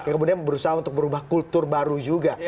kemudian berusaha untuk berubah kultur baru juga